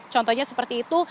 contohnya seperti itu